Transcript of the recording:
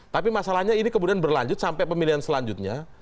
tapi masalahnya ini kemudian berlanjut sampai pemilihan selanjutnya